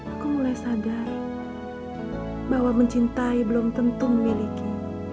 aku mulai sadar bahwa mencintai belum tentu memiliki